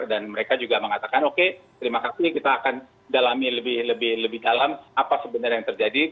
dan mereka juga mengatakan oke terima kasih kita akan dalami lebih lebih dalam apa sebenarnya yang terjadi